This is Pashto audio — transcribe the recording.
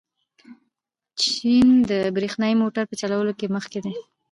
چین د برښنايي موټرو په جوړولو کې مخکښ دی.